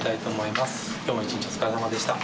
今日も一日お疲れさまでした。